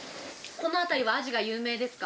この辺りはアジが有名ですか？